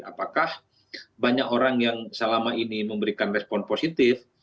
apakah banyak orang yang selama ini memberikan respon positif